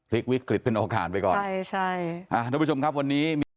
คลิกวิกกลิดเป็นโอกาสไปก่อนค่ะดูประชุมครับวันนี้